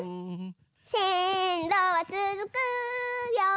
「せんろはつづくよ」